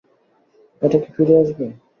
এটা কি ফিরে আসবে?